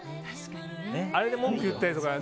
あれで文句言ったりとかね。